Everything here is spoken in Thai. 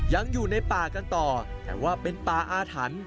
ยังอยู่ในป่ากันต่อแต่ว่าเป็นป่าอาถรรพ์